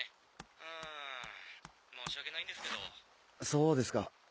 そうですか。